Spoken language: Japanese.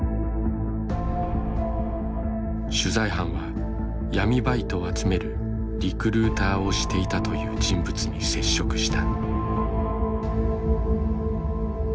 取材班は闇バイトを集めるリクルーターをしていたという人物に接触した。